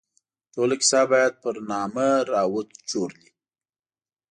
ټوله کیسه باید پر نامه را وڅورلي.